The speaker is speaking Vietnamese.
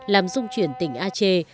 làm dung chuyển tỉnh aceh